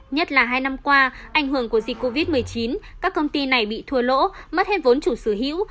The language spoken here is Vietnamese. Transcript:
nhất là hai năm qua ảnh hưởng của dịch covid một mươi chín các công ty này bị thua lỗ mất hết vốn chủ sở hữu